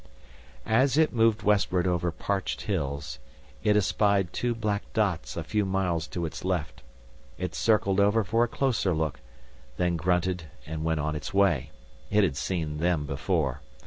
As it moved westward over parched hills, it espied two black dots a few miles to its left. It circled over for a closer look, then grunted and went on its way. It had seen them before.